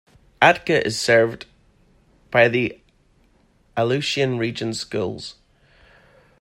Atka is served by the Aleutian Region Schools.